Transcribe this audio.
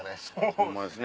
ホンマですね。